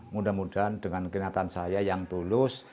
mudah mudahan dengan kenyataan saya yang tulus